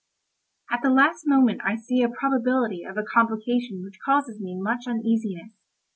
At the last moment I see a probability of a complication which causes me much uneasiness.